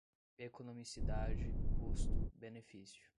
economicidade, custo, benefício